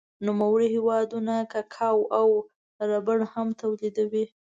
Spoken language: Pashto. نوموړی هېوادونه کاکاو او ربړ هم تولیدوي.